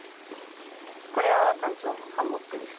これはタンチョウのハンモックです。